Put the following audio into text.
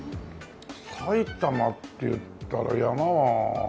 埼玉っていったら山は。